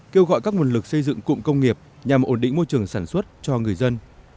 kêu gọi các nguồn lực xây dựng cụm công nghiệp nhằm ổn định môi trường sản xuất cho người dân